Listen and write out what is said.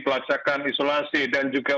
pelaksanaan isolasi dan juga